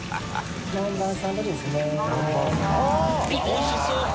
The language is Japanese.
おいしそう！